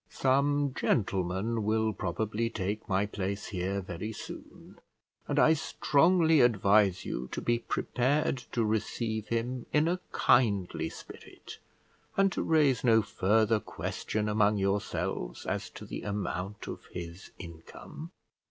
"Some gentleman will probably take my place here very soon, and I strongly advise you to be prepared to receive him in a kindly spirit and to raise no further question among yourselves as to the amount of his income.